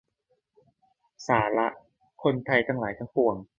สาระ คนไทยทั้งหลายทั้งปวง